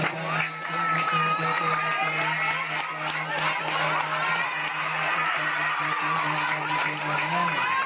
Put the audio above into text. เฮ้ไม่มีเชื่อ